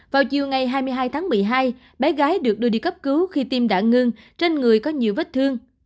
vào chiều ngày hai mươi hai tháng một mươi hai bé gái được đưa đi cấp cứu khi tim đã ngưng trên người có nhiều vết thương